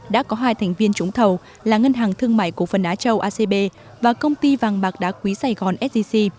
đã có hai thành viên trúng thầu là ngân hàng thương mại cổ phần á châu acb và công ty vàng bạc đá quý sài gòn sgc